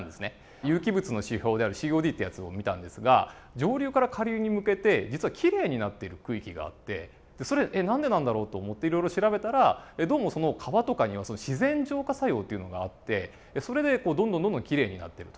有機物の指標であるＣＯＤってやつを見たんですが上流から下流に向けて実はきれいになっている区域があってそれ「えっ何でなんだろう？」と思っていろいろ調べたらどうもその川とかには自然浄化作用っていうのがあってそれでどんどんどんどんきれいになっていると。